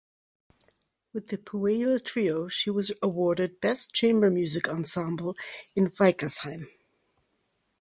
With the "Puella Trio" she was awarded best chamber music ensemble in Weikersheim.